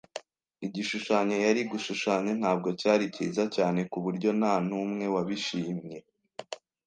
Igishushanyo yari gushushanya ntabwo cyari cyiza cyane kuburyo ntanumwe wabishimye.